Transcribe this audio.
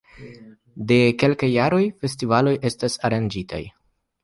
De kelkaj jaroj festivaloj estas aranĝitaj.